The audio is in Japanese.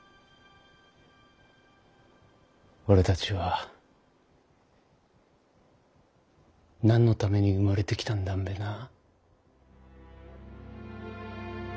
俺たちは何のために生まれてきたんだんべなぁ？